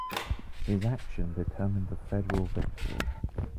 His action determined the federal victory.